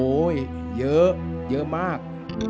โอ้ยเยอะเยอะมาก